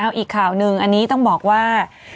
เอาอีกข่าวหนึ่งอันนี้ต้องบอกว่า